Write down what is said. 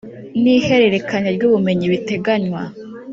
n ihererekanya ry ubumenyi biteganywa